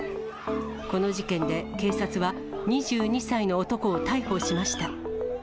この事件で、警察は２２歳の男を逮捕しました。